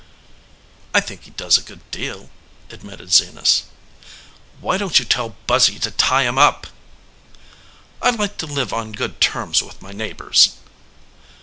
"I think he does a good deal," admitted Zenas. "Why don t you tell Buzzy to tie him up?" "I like to live on good terms with my neigh bors."